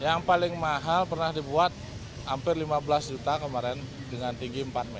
yang paling mahal pernah dibuat hampir rp lima belas kemarin dengan tinggi rp empat